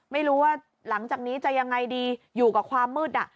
ไม่รู้ว่าหลังจากนี้จะยังไงดีอยู่กับความมืด